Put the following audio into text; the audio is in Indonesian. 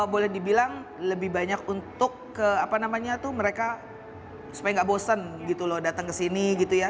boleh dibilang lebih banyak untuk apa namanya tuh mereka supaya nggak bosen gitu loh datang ke sini gitu ya